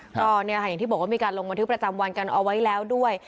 ก็เนี่ยค่ะอย่างที่บอกว่ามีการลงบันทึกประจำวันกันเอาไว้แล้วด้วย